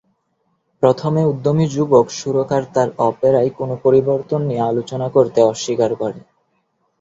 প্রথমে, উদ্যমী যুবক সুরকার তার অপেরায় কোন পরিবর্তন নিয়ে আলোচনা করতে অস্বীকার করে।